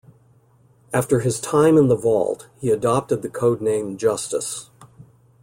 After his time in the Vault, he adopted the codename Justice.